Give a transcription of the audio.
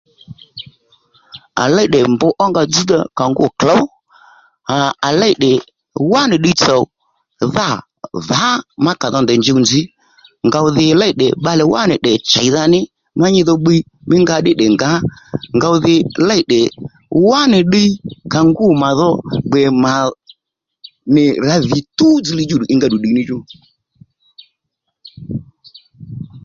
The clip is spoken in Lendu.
À lêy tdè mb ónga dzźdha kà ngû klǒw à à lêy tdè wánì ddiy tsò dhâ dhǎ má kà dho ndèy njuw nzǐ ngow-dhi lêy tdè bbalè wánì tdè cheydha ní ma nyi dho bbiy mí nga ddí tdè ngǎ ngòw-dhì lêy tdè wánì ddiy kà ngûw tdè mà dho gbè mà nì rǎ dhì tú dziylíy djúddù ingá ddù ddiy níchú